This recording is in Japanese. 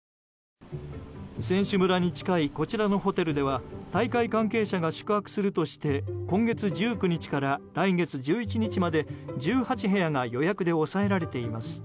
選手村に近いこちらのホテルでは大会関係者が宿泊するとして今月１９日から来月１１日まで１８部屋が予約で押さえられています。